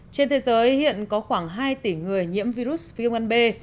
trên thế giới hiện có khoảng hai tỷ người nhiễm virus v một b